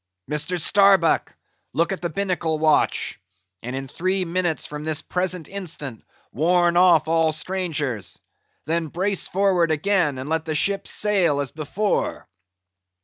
Mr. Starbuck, look at the binnacle watch, and in three minutes from this present instant warn off all strangers: then brace forward again, and let the ship sail as before."